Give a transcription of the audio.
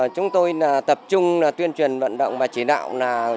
chúng tôi tập trung tuyên truyền vận động và chỉ đạo